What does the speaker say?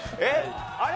あれ？